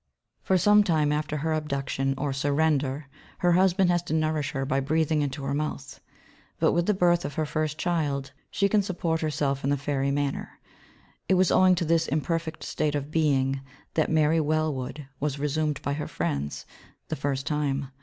For some time after her abduction or surrender her husband has to nourish her by breathing into her mouth; but with the birth of her first child she can support herself in the fairy manner. It was owing to this imperfect state of being that Mary Wellwood was resumed by her friends the first time.